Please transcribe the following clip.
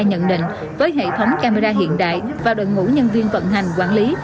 nhận định với hệ thống camera hiện đại và đội ngũ nhân viên vận hành quản lý